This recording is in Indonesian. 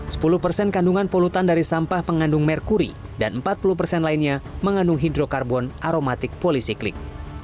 sepuluh persen kandungan polutan dari sampah pengandung merkuri dan empat puluh persen lainnya mengandung hidrokarbon aromatik polisiklik